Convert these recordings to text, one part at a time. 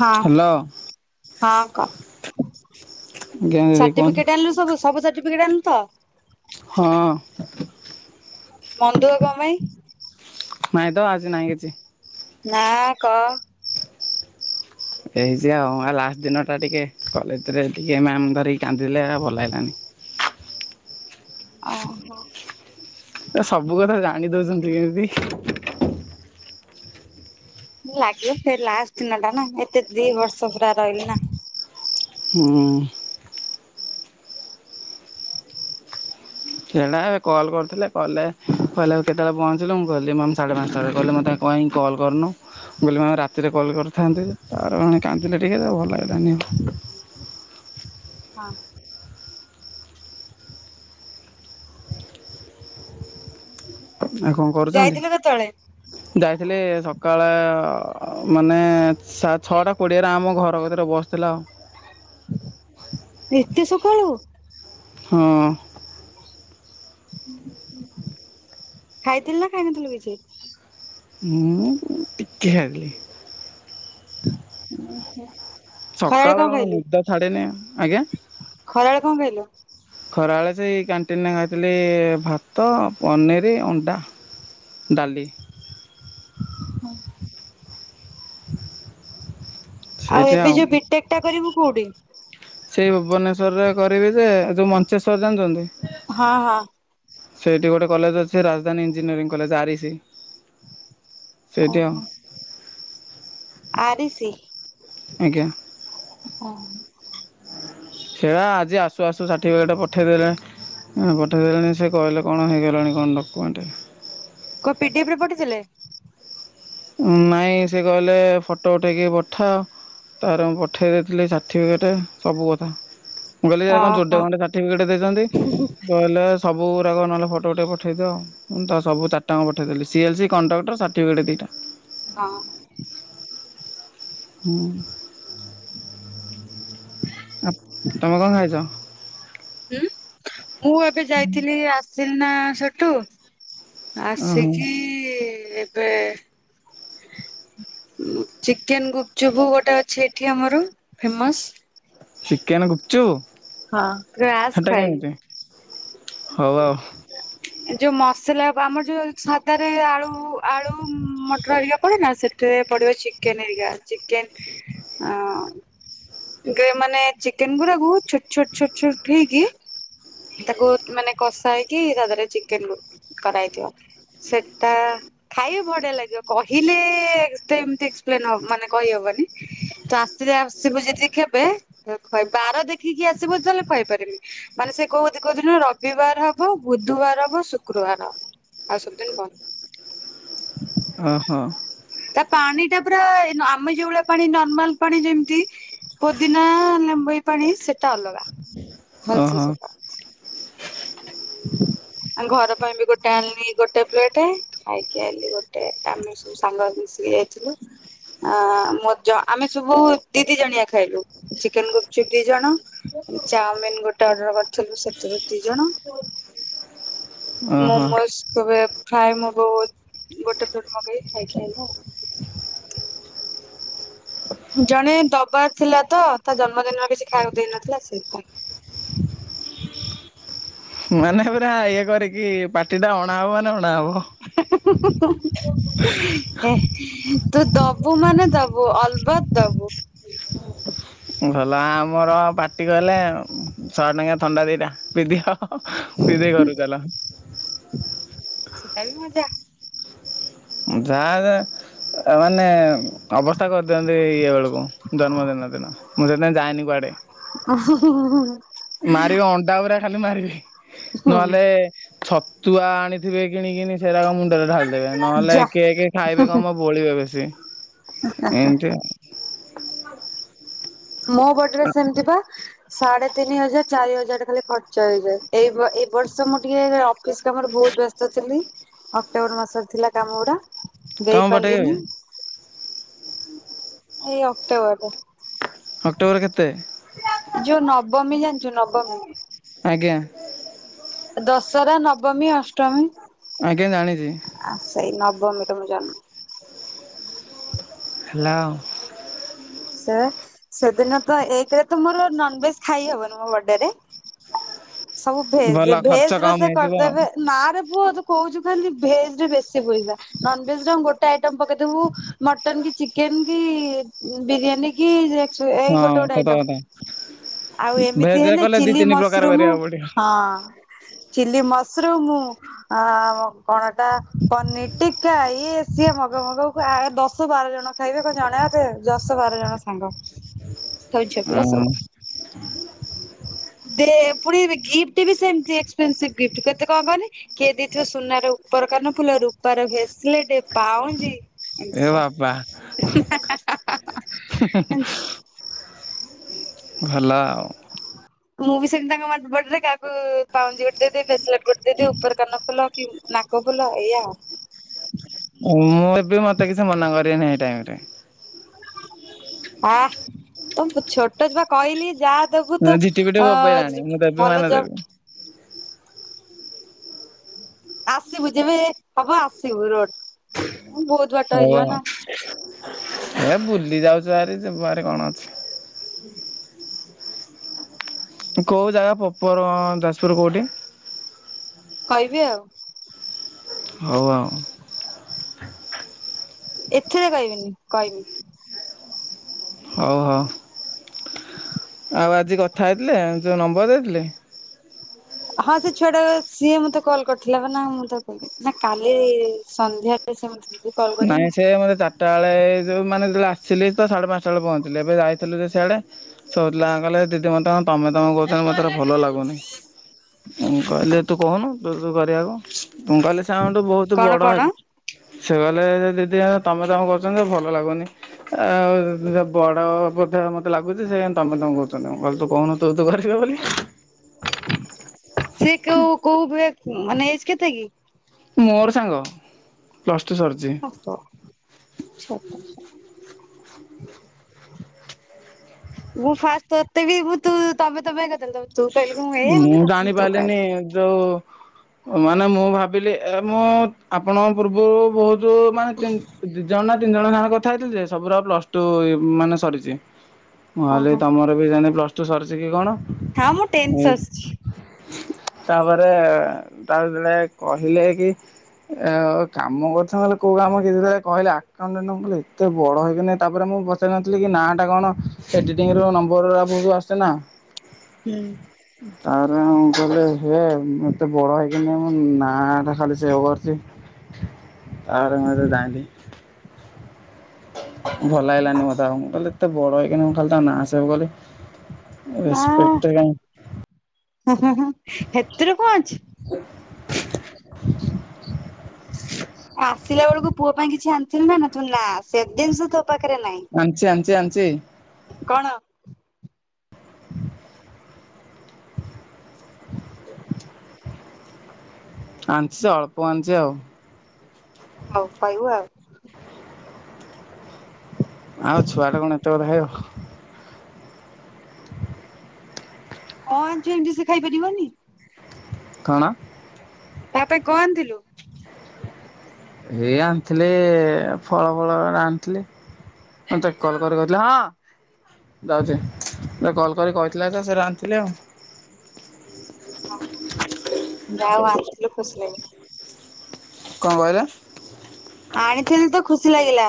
ହଁ ହ୍ୟାଲୋ ହଁ କ। ଆଜ୍ଞା ଦିଦି କୁହନ୍ତୁ ସାଠିପିକେଟ ଆଣିଲୁ ସବୁ ସବୁ ସାଠିପିକେଟ ଆଣିଲୁ ତ? ହଁ ମନ ଦୁଃଖ କଣ ପାଇଁ? ନାଇଁ ତ ଆଜି ନାଇଁ କିଛି। ନା କହ। ହେଇଛି ଆଉ ଲାଷ୍ଟ ଦିନ ଟା ଟିକେ କଲେଜରେ ଟିକେ ମ୍ୟାମ ଧରିକି କାନ୍ଦିଲେ ଭଲ ଲାଗିଲାନି। ଓ ହୋ। ତ ସବୁ କଥା ଜାଣି ଦଉଛନ୍ତି କେମିତି? ଲାଗିବ ସେ ଲାଷ୍ଟ ଦିନ ଟା ନା ଏତେ ଦି ବର୍ଷ ପୁରା ରହିଲି ନା। ହଁ। ସେ ଏନା କଲ୍ କରିଥିଲେ କଲରେ କହିଲେ ଆଉ କେତେବେଳେ ପହଞ୍ଚିଲ ମୁଁ କହିଲି ମ୍ୟାମ ସାଢେ ପାଞ୍ଚଟାରେ କହିଲେ ମତେ କ କାଇଁ କଲ୍ କରନୁ? ମୁଁ କହିଲି ମ୍ୟାମ ରାତିରେ କଲ୍ କରିଥାନ୍ତି ତାପରେ ପୁଣି କାନ୍ଦିଲେ ଟିକେ ତ ଭଲ ଲାଗିଲାନି ଆଉ। ହଁ। ଆଉ କଣ କରୁଚନ୍ତି ଯାଇଥିଲୁ କେତେବେଳେ ଯାଇଥିଲି ସକାଳ ଅ-ମାନେ ସା-ଛଅଟା କୋଡ଼ିଏରେ ଆମ ଘର କତିରେ ବସ୍ ଥିଲା ଆଉ। ଏତେ ସଖାଳୁ? ହଁ। ଖାଇଥିଲୁ ନା ଖାଇନଥିଲୁ କିଛି? ମୁଁ ଟିକେ ଖାଇଥିଲି। ଓହୋ। ସକାଳେ କଣ ନିଦ ଛାଡେନି ଆଜ୍ଞା ଖରାବେଳେ କଣ ଖାଇଲୁ ଖରାବେଳେ ସେଇ କ୍ୟାଣ୍ଟିନରେ ଖାଇଥିଲି ଭାତ, ପନିର, ଅଣ୍ଡା। ଡାଲି ହଁ। ସେଇଠି ଏବେ ଆଉ ଯୋଉ ବିଟେକ୍ ଟା କରିବୁ କୋଉଠି ସେଇ ଭୁବନେଶ୍ୱରରେ କରିବି ଯେ ଯୋଉ ମଞ୍ଚେଶ୍ଵର ଜାଣିଚନ୍ତି? ହଁ ହଁ ସେଇଠି ଗୋଟେ କଲେଜ ଅଛି Rajdhani engineering college R E C. Stadium ଆରିଶୀ ଆଜ୍ଞା। ସେରା ଆଜି ଆସୁଆସୁ ସାର୍ଟିଫିକେଟ୍ ପଠେଇଦେଲେ ଅଁ ପଠେଇଦେଲେଣି ସେ କହିଲେ କଣ ହେଇଗଲାଣି କଣ ଡକୁମେଣ୍ଟ୍। କୋଉ ପିଡିଏଫରେ ପଠେଇଥିଲେ? ନାଇଁ ସେ କହିଲେ ଫଟୋ ଉଠେଇକି ପଠା ଆଉ‌ ତାର ମୁଁ ପଠେଇ ଦେଇଥିଲି ସାର୍ଟିଫିକେଟେ ସବୁ କଥା। ମୁଁ କହିଲି ଏରା କଣ ଜୋଡେ ଓହୋ ଖଣ୍ଡେ ସାର୍ଟିଫିକେଟ ଦେଇଚନ୍ତି କହିଲା ସ୍ ସବୁରାକ ନହଲେ ଫଟୋ ଉଠେଇକି ପଠେଇଦିଅ ମୁଁ ତା ସବୁ ଚାରଟା ଆଁକ ପଠଦେଲି C L C, contractor, certificate ଦିଇଟା। ହଁ। ହଁ। ହ ଆ-ତମେ କଣ ଖାଇଚ? ହୁଁ ମୁଁ ଏବେ ଯାଇଥିଲି ଆସିଲି ନା ସେଠୁ ଓହୋ ଆସିକି ଏବେ ଉଁ ଚିକେନ ଗୁପଚୁପୁ ଗୋଟେ ଅଛି ଏଠି ଆମର ଫେମସ୍। ଚିକେନ ଗୁପଚୁପ? ହଁ ତୁ କେବେ ଆସ୍ ଖୁଆଇବି। ହୋଉ ଆଉ। ଯୋଉ ମସଲା ବା-ଆମର ଯୋଉ ସାଦାରେ ଆଳୁ ଆଳୁ ମଟର ହରିକା ପଡେନା ସେଥିରେ ପଡିବ ଚିକେନ ହରିକା ଚିକେନ୍ ଆ ଗେ-ମାନେ ଚିକେନ ଗୁଡାକୁ ଛୋଟଛୋଟ ଛୋଟଛୋଟ ଫେଇକି ତାକୁ ମାନେ କଷା ହେଇକି ତାଦେହରେ ଚିକେନ ଗୋ-କରାଇଥିବ। ସେଟା ଖାଇବ ବଢିଆ ଲାଗିବ କହିଲେ ଏତେ ଏମତି ଏକ୍ସପ୍ଲେନ୍ ହବ୍-ମାନେ କହିହବ ନି ତ ଆସିଲେ ଆସିବୁ ଯଦି କେବେ ଖୁଆଇବି ବାର ଦେଖିକି ଆସିବୁ ଯେତେବେଳେ ଖୁଆଇ ପାରିବି ମାନେ ସେ କୋଉ ଦି-କୋଉ ଦିନ ରବିବାର ହବ ବୁଧ ବୁଧବାର ହବ ଶୁକ୍ରବାର ହବ ଆଉ ସବୁଦିନ୍ ବନ୍ଦ। ଓହୋ। ତା ପାଣିଟା ପୁରା ଏନ୍-ଯୋଉ ଭଳିଆ ପାଣି ନର୍ମାଲ ପାଣି ଯେମିତି ପୋଦିନା ଲେ ବପଣି [unintelligible] ସେଟା ଅଲଗା ଭଲସେ ଓହୋ ସେଟା [unintelligible] ଆ ଘର ପାଇଁ ବି ଗୋଟେ ଆଣିଲି ଗୋଟେ ପ୍ଲେଟ, ଖାଇକି ଆଣିଲି ଗୋଟେ, ଆମେ ସବୁ ସାଙ୍ଗ ମିଶିକି ଯାଇଥିଲୁ । ଆ ମ ଆମେ ସବୁ ଦି ଦି ଜଣିଆ ଖାଇଲୁ, ଚିକେନ ଗୁପଚୁପ ଦି ଜଣ ଚାଉମିନ ଗୋଟେ ଅର୍ଡର କରିଥିଲୁ, ସେଥିରୁ ଦି ଜଣ ଓହୋ ମୋମୋଜ, କବେ ଖାଇ ମ ବହୁ ଗୋଟେ ଫ ମଗ ଖାଇ ଖ [unintelligible] ଜଣେ ଦବା ଥିଲା ତ, ତା ଜନ୍ମଦିନରେ କିଛି ଖାଇବାକୁ ଦେଇନଥିଲା, ସେପ [inaudible] ମାନେ ପୁରା ଇଏ କରିକି ପାଟି ଟା ଅଣା ହବ ମାନେ ଅଣା ହବ। ହେ [unintelligible] ତୁ ଦବୁ ମାନେ ଦବୁ, ଅଲବତ ଦବୁ । ଗଲା ଆମର ପାଟି କହିଲେ, ଶହେ ଟଙ୍କିଆ ଥଣ୍ଡା ଦୁଇଟା ପିଦିଅ ପିଇଦେଇ ଘରକୁ ଚାଲ ସେଟା ବି ମଜା । ଯାହା ମାନେ [unintelligible] ଅବସ୍ଥା କରିଦିଅନ୍ତି ଇଏ ବେଳକୁ, ଜନ୍ମଦିନ ଦିନ ମୁଁ ସେଥିାଇଁ ଯାଏନି କୁଆଡ଼େ ହୁଁ ହୁଁ ମାରିବ ଅଣ୍ଡା ପୁରା ଖାଲି ମାରିବି, ହୁଁ ନହେଲେ ଛତୁଆ ଆଣିଥିବେ କିଣିକିନି, ସେରାକ ମୁ ଢାଲି ଦେବେ, ନହେଲେ ଯା କିଏ କି ଖାଇବେ କଣ ବୋଳିବେ ବେଶୀ। ଏମତି ଆଉ ମୋ ବଡେରେ ସେମିତି ପା ସାଢେ ତିନି ହଜାର ଚାରି ହଜାର ଖାଲି ଖର୍ଚ୍ଚ ହେଇଯାଏ, ଏଇ ଏ ବର୍ଷ ମୁଁ ଟିକେ ଅଫିସ କାମରେ ବହୁତ ବ୍ୟସ୍ତ ଥିଲି, ଅକ୍ଟୋବର ମାସରେ ଥିଲା କାମଗୁଡା । ତମ ପଟେ କେବେ ଦେଇପାରିଲିିନି । ଏଇ ଅକ୍ଟୋବରରେ । ଅକ୍ଟୋବର କେତେ? ଯୋଉ ନବମୀ ଜାଣିଛୁ ନବମୀ । ଆଜ୍ଞା । ଦଶହରା ନବମୀ, ଅଷ୍ଟମୀ, ଆଜ୍ଞା ଜାଣିଛି ସେଇ ନବମୀ । ତାଳୁକୁ ଜାନା [unintelligible] ହାଲୋ ସେ ସେଦିନ ତ ଏକରେ ତ ମୋର ନନଭେଜ ଖାଇ ହବନି ମୋ ବଡେରେ ସବୁ ଭଲ ଭେଜ, ଖର୍ଚ୍ଚ ଭେଜ ର କମ ସେ ହେଇଯିବ ଆଉ କରିଦେବେ ନା ରେ ପୁଅ ତୁ କହୁଛୁ ଖାଲି । ଭେଜ ରେ ବେଶୀ ପଇସା, ନନ ଭେଜରେ ଗୋଟେ ଆଇଟମ ପକେଇବୁ, ମଟନ କି ଚିକେନ କି ବିରିୟାନୀ କି, ଯ ଏଇ ହଁ ଗୋଟେ ଗୋଟେ ସତ ଆଇଟମ । କଥା। ଆଉ ଏମିତି ଭେଜ ରେ ହେଲେ, କଲେ ଦି ଚିଲି ତିନି ପ୍ରକାର ମସରୁମ ହଁ କରିବାକୁ ପଡିବ। । ଚିଲି ମସରୁମ, ଆ କଣଟା ପନିର ଟିକା, ଇଏ ସିଏ ହଗ ଭଗ କ ଆଗ ଦଶ ବାର ଜଣ ଖାଇବେ କଣ ଜଣେ ଅଧେ ବାର ଜଣ ସଙ୍ଗ ହେଉଛିପଲା ହଁ ସବୁ । ଦେ ପୁଣି ଗିଫ୍ଟ ବି ସେମତି ଏକ୍ସପସି ଗି୍ଟ, କେତେ କଣ କହନି କିଏ ଦେଇଥିବ ସୁନାର ପର କାନ ଫୁଲ, ରୂପାର ଭେସଲେଟ, ପାଉଁଜି। ଏ ଏସବୁ ବାବା ନା ଆ ହେଁ ଭଲ ଆଉ । ମୁଁ ବି ସେମିତି ତାଙ୍କ ବଡେରେ କାକୁ ପାଉଁଜି ଗୋଟେ ଦେଇଦେବି, ଭେସଲଟ ଗୋଟେ ଦେଇଦେବି, ଉପର କାନ ଫୁଲ କି ନାକ ଫୁଲ ଏୟା ଆଉ । ମୁଁ ଏବେ ମତେ କିଛି ମନା କରିଵେନି ଏ ଟାଇମରେ । ହ ତ ଛୋଟ ତୁବା କହିଲି ଯା ଦେବୁ ତ ଝିଟି ପିଟି ବୋବେଇଲାଣି ଅ- ମୁଁ ଦେବି ଭଲ ମାନେ ଦେବି। ଯବ ଆସିବୁ ଯେବେ ହବ ଆସିବୁ ରୋଡ । ହଉ ଆଉ ଏ ବୁଲି ଯାଉଛି । ଜାରି ଯିବା ହାରି କଣ ଅଛି। କେଉଁ ଜାଗା ପ୍ରପର ଯାଜପୁର କୋଉଠି? କହିବି ଆଉ । ହଉ ଆଉ ଏଥିରେ କହିବିନି କହିବି। ହଉ ହଉ। ଆଉ ଆଜି କଥା ହେଇଥିଲେ ଯୋଉଁ ନମ୍ବର ଦେଇଥିଲି? ହଁ ସେ ଛୁଆ ଟା ସିଏ ମତେ କଲ୍ କରିଥିଲା ବା ନା ମୁଁ ତ କହିଲି ନା କାଲି ସନ୍ଧ୍ୟା ଛନ୍ତି। ନାଇଁ ସେ ମତେ ଚାରିଟା ବେଳେ ଯୋଉଁ ମାନେ ବେଳେ ଆସିଲି ତ ସାଢେ ପାଞ୍ଚଟ ବେ ପହଞ୍ଚିଲି ଏବେ ଯାଇଥିଲୁ ସେ ସିଆଡେ ସରିଲା କହିଲା ଦିଦି ମତେ କଣ ତମେ ତମେ କହୁ ମତରେ ଭଲ ଲାଗୁନି କହିଲେ ତୁ କହୁନୁ ତୁ କରିବାକୁ । କଙ୍ଗାଲି ସାଉଣ୍ଡ ବହୁତ କଣ ବଡ କଣ ସେ ଦିଦି ତମେ ତାମ କରଛନ୍ତି ଭଲ ଲାଗୁନି ଆଉ ବଡ ହବ । ଲାଗୁଛି ସେ ତମେ ତମେ କହୁଛନ୍ତିଁ କହିଲ ତୁ କହୁନୁ ତୁ ତୁ କହୁନୁ ବୋଲି । ସେ କଉ କୋଉଁ ମାନେ ଏଜ କେତେ କି? ମୋର ସାଙ୍ଗ ପ୍ଲ୍ ଆ ସତ ସ ମୁ ଫାଷ୍ଟ ତତେ ବି ତୁ ତମେ ତମେ କରିଦେଲି ତୁ କହିଲୁ କି ଏଇଆ ମୁଁ କହିଲି ତତେ ତୁ ଜାଣିପାରିଲିନି କହିଲୁ ଯୋଉଁ ମାନେ ମୁଁ ଭାବ ବିଲ ମୁଁ ଆପଣଙ୍କ ପୂର୍ବରୁ ବହୁତ ମାନେ ଜଣା ତିନି ଜଣ ସାନ କଥା ହେଇଥିଲି ଯେ ସବୁ ଆଉ ପ୍ଲସ୍ଟୁ ମାନେ ସରିଛି। ହେଲେ ଓହୋ ତମର ବି ପ୍ଲସ ଟୁ ସରିଛି କି କଣ। ହଁ ମୁଁ ଟେନ୍ଥ ସରିଚି। ତାପରେ ତାପରେ ଯେତେବେଳେ କହିଲେ କି ଆ କାମ କରୁଛନ୍ତି କୋଉଁ କାମ କିଛି କହିଲେ ଆକଉଣ୍ଟାଣ୍ଟ କହିଲ ଏତେ ବଡ ହେଇକ ତାପରେ ମୁଁ ମୁଁ ପଚାର ନଥିଲି କି ନାଁ ଟା କଣ ଏଡିଟିଂ ର ନମ୍ବର ସବୁ ଆସେ ନା ହୁଁ। ତାର ମୁ କହିଲେ ହେ ଏତେ ବଡ଼ ହେଇକି ମୁ ନାଟା ଖାଲି ସେବ୍ କରଛି। ତା ପରେ [unintelligible] ଯାଇଲି। ଭଲ ଲାଗିଲାନି ମତେ ଆଉ ମୁଁ କହିଲି ଏତେ ବଡ ହେଇକି ମୁ ଖାଲି ତା ନା ସେବ କଲି। ରେସ୍ପେକ୍ଟ କ ହୁଁ ହ ହୁଁ ସେଥିରୁ କଣ ଅଛି। ଆସିଲା ବେଳକୁ ପୁଅ ପାଇଁ କିଛି ଆଣିଥିଲି ନା ନା ତୁ ନା ସେ ଜିନିଷ ତ ଆଣିଚି ଆଣିଚି ଆଣିଚି। କଣ? ଆଣିଚି ଯେ ଅଳ୍ପ ଆଣିଚି ଆଉ ହଉ କହିବୁ ଆଉ? ଆଉ ଛୁଆଟା କଣ ଏତେ କଥା ଖାଇବ କଣ ଆଣିଚୁ ଏମିତି ସେ ଖାଇ ପାରିବନି? କଣ? ତା ପାଇଁ କଣ ଆଣିଥିଲୁ? ଏଇ ଆଣିଥିଲି ଫଳ ଫଳ ଆଣିଥିଲି। ମୁଁ ତା କଲ କରି କହିଥିଲି ହଁ। ଯାଉଛି! କଲ୍ କରି କହିଥିଲା ତ ସେରା ଆନ୍ଥିଲି ଆଉ। ଯାଉ ଆଣିଥିଲୁ ଖୁସି ଲାଗିଲା। କଁ କହିଲ। ଆଣିଥିଲି ତ ଖୁସି ଲାଗିଲା।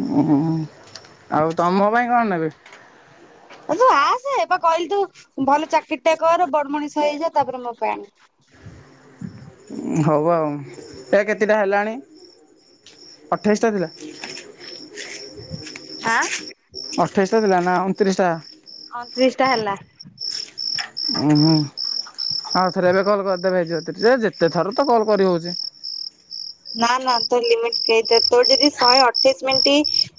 ଅଁ, ଆଉ ତମ ପାଇଁ କଣ ନେବି? ଅଜୁ! ଆସେ-ଏ ବା କହିଲି ତୁ ଭଲ ଚାକିରି ଟା କର ବଡ ମଣିଷ ହେଇଯା ତାପରେ ମୋ ପାଇଁ ଆଣ ହଉ ଆଉ ଏ କେତେଟା ହେଲାଣି? ଅଠେଇଶଟା ଥିଲା। ଆଁ। ଅଠେଇସ୍ଟା ଥିଲା ନା ଅଣତିରିଶଟା? ଅନ୍ତିରିଶଟା ହେଲା। ଉଁ, ହୁଁ। ଆଉ ଥରେ ଏବେ କଲ୍ କରିଦେବେ। [unintelligible] ଯେତେ ଥର ତ କଲ୍ କରିହଉଛି ନା, ନା, ତ ଲିମିଟ କେଇଟା? ତୋର ଯଦି ଶହେ ଅଠେଇଶ ମିନ୍ଟି,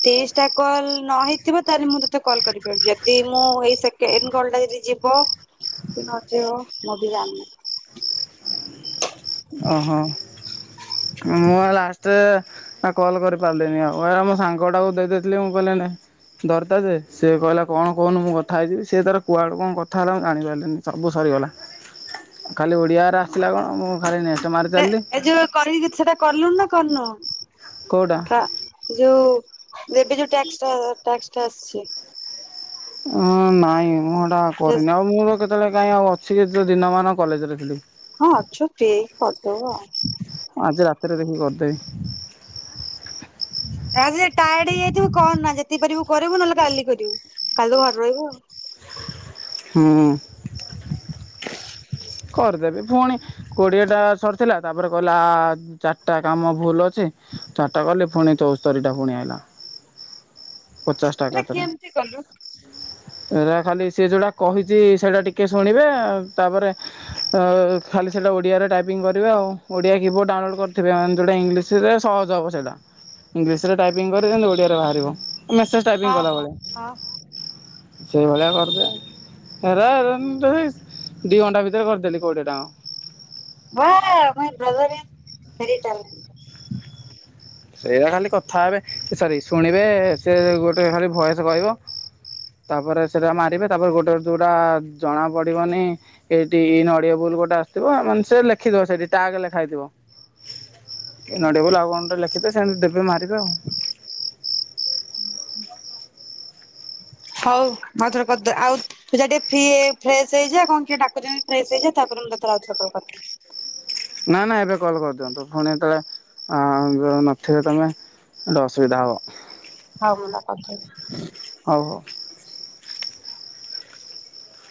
ତିରିଶ ଟା କଲ ନ ହେଇଥିବ, । ତାହେଲେ ମୁଁ ତୋତେ କଲ୍ କରିପାରିବି। ଯଦି ମୁଁ ଏଇ ସେକେଣ୍ଡ କଲ ଟା ଯଦି ଯିବ! କିି ନଯିବ ମୁଁ ବି ଜାଣିନି। ଓହୋ! ମୁଁ ଆ ଲାଷ୍ଟ ଆ କଲ୍ କରି ପାରିଲିନି ଆଉ। ଏରା ମୋ ସାଙ୍ଗଟାକୁ ଦେଇଦେଇଥିଲି। ମୁଁ କହିଲି ନେ ଦରତା ଯେ ସେଏ କହିଲା କଣ କହୁନ! ମୁଁ କଥା ହେଇଯିବି। ସେତାର କୁଆଡୁ କଣ କଥା ହେଲା ମୁଁ ଜାଣି ପାରିଲିନି? ସବୁ ସ ଗଲା। ଖାଲି ଓଡ଼ିଆରା ଆସିଲା କଣ ମୁଁ ଖାଲି ନେକ୍ସଟ୍ ମାରି ଏ ଚାଲିଲି ଏ ଯୋଉ କରିକି ସେଟା କରଲୁଣି ନା କରିନୁ? କୋଉଟା ଖା ଯଉ ଏବେ ଯୋଉ ଟ୍ୟାକ୍ସଟା ଟ୍ୟାକ୍ସଟା ଆସଛି। ହଁ, ନାଇଁ ମୁଁ ହେଟା କରିନି ଆଉ। ଆଉ, ମୁଁ କେତେବେଳେ କାହିଁ ଆଉ ଅଛି, ଯେ ଦିନମାନ କଲେଜରେ ଥିଲି। ହଁ, ଅଛୁଟେ କରିଦବୁ ଆଉ। ଆଜି ରାତିରେ ଦେଖି କରଦେବି। ଆଯେ ଟାଏଡ ହେଇଯାଇଥିବୁ କରନା। ଯେତିକି ପାରିବୁ କରିବୁ ନହେଲେ କାଲି କରିବୁ। କାଲି ତ ଘର ରହିବୁ ଆଉ। ହଁ। କରିଦେବି। ପୁଣି କୋଡ଼ିଏଟା ସରିଥିଲା ତାପରେ କହିଲା ଚାରିଟା କାମ ଭୁଲ ଅଛି। ଚାର ଟା କଲି, ଫୁଣି ଚଉସ୍ତରିଟା ଫୁଣି ଆଇଲା। [inaudible] ପଚାଶ ହେରା କେମତି କଲୁ? ଏଟା ଖାଲି ସିଏ ଯୋଉଟା କହିଛି, ସେଟା ଟିକେ ଶୁଣିବେ। ତାପରେ [inaudible] ଖାଲି ସେଇଟା ଓଡ଼ିଆରେ ଟାଇପିଙ୍ଗ୍ କରିବେ। ଆଉ ଓଡ଼ିଆ କିବୋର୍ଡ଼ ଡାଉନଲୋଡ଼୍ କରିଥିବେ, ମାନେ ଯଉଁଟା ଇଂଲିଶରେ ସହଜ ତହବ ସେଇଟା। ଇଂଲିଶରେ ଟାଇପିଙ୍ଗ୍ କରି ଯେମିତି ଓଡିଆରେ ବାହାରିବ। ମେସେଜ ଟାଇପିଂ ହଁ ହଁ କଲାଭଳିଆ। ହଁ ହଁ ସେଇଭଳିଆ କରିଦେ। ହେରା ଏରା ଯଦି ଦି ଘଣ୍ଟା ଭି ଦେ କରିଦେଲି କୋଡ଼ିଏଟା ଙ୍କ। ମୋ-ଓ my brother is very talented. ସେଇଟା ଖାଲି କଥା ହେବେ। ସରି! ଶୁଣିବେ ସେ ଗୋଟେ ଖାଲି ଭଏସ କହିବ। ତାପରେ ସେଟା ମାରିବେ। ତାପରେ ଗୋଟେ ଯୋଉଟା ଜଣା ପଡିବନି, ଏଇଟି ଇନ୍ ଅଡିଏ ବୁଲ ଗୋଟେ ଆସିଥିବ। ମାନେ ସେ ଲେଖିଥିବ, ସେଠି ଟ୍ୟାଗ ଲେଖା ହେଇଥିବ। [inaudible] ଇନ୍ ଅଡିଏବୁଲ ଆଉ କଣଟେ ଲେଖିଦେ। ସେ ଏମ୍ ତି ଦେବେ ମାରିବେ ଆଉ। [unintelligible] ହଉ, ମ ଥରୁ କଦେ। ଆଉ ତୁ ଯା ଟିକେ ଫ୍ରୀ ହେଇ ଫ୍ରେଶ ହେଇଯା କଣ କିଏ ଡାକୁଛନ୍ତି, ଫ୍ରେଶ ହେଇଯା ତାପରେ ମୁଁ ତତେ ଥରେ ଆଉଥରେ କଲ୍ କରଦେ। ନା ନା ଏବେ କଲ୍ କରିଦିଅନ୍ତୁ ପୁଣି ଯେତେବେଳେ ନଥିବେ ତମେ। ଏଟ ଅସୁବିଧା ହବ। ହଉ ମୁନା କଥା ହଉ ହଉ